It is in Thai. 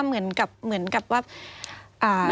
เหมือนกับเหมือนกับว่าอ่า